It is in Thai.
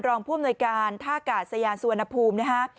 รองผู้อำนวยการท่ากาศยานสุวรรณภูมินะฮะ